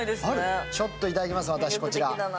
ちょっといただきます、私、こちら。